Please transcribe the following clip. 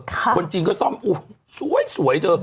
คนจีนก็ซ่อมอุ้ยสวยเธอ